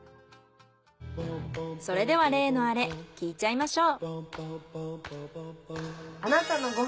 それでは例のアレ聞いちゃいましょう。